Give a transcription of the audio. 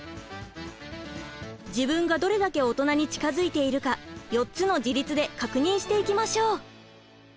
自分がどれだけオトナに近づいているか４つの自立で確認していきましょう！